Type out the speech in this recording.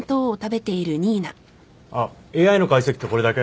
あっＡＩの解析ってこれだけ？